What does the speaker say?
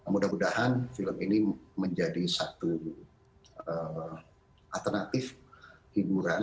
mudah mudahan film ini menjadi satu alternatif hiburan